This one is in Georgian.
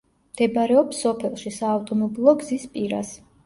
მდებარეობს სოფელში, საავტომობილო გზის პირას.